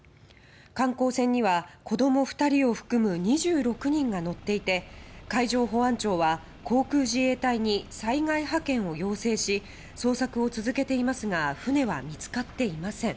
観光船には子供２人を含む２６人が乗っていて海上保安庁は航空自衛隊に災害派遣を要請し捜索を続けていますが船は見つかっていません。